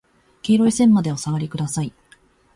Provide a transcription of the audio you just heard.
黄色い線までお下がりください。